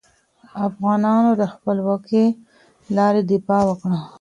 افغانانو د خپلواکې لارې دفاع وکړه.